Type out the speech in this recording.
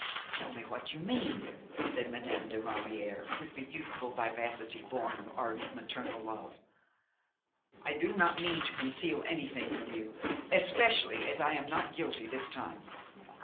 "Tell me what you mean !" said Madame de Ramière, with the youthful vivacity born of ardent maternal love. "I do not mean to conceal anything from you, especially as I am not guilty this time.